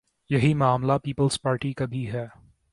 یہی معاملہ پیپلزپارٹی کا بھی ہے۔